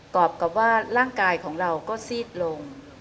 อบกับว่าร่างกายของเราก็ซีดลง